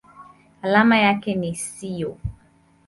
Alama yake ni SiO.